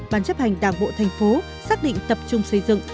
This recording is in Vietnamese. ban chấp hành đảng bộ thành phố xác định tập trung xây dựng